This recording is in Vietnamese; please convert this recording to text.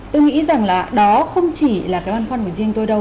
tôi nghĩ rằng là đó không chỉ là cái quan khoan của riêng tôi đâu